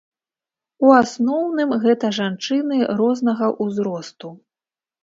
У асноўным, гэта жанчыны рознага ўзросту.